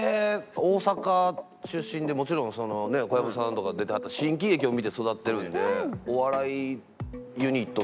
大阪出身でもちろん小籔さんとか出てはった新喜劇を見て育ってるので。